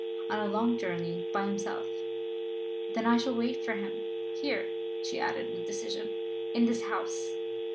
On a long journey. By himself." "Then I shall wait for him. Here!" she added with decision. "In this house!"